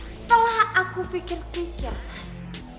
setelah aku pikir pikir mas